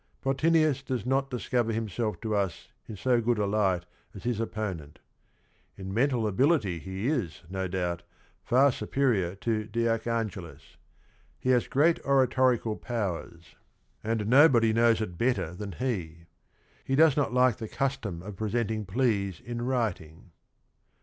Bottinius does not discover himself to us in so good a light as his opponent, in mentaT abi lity he is, no doubt, far superi or to de Archangelis . He has great oratorical powers, and nobody 150 THE RING AND THE BOOK knows it better than he. He does not like the custom of presenting pleas in writing.